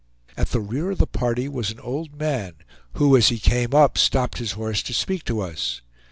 At the rear of the party was an old man, who, as he came up, stopped his horse to speak to us.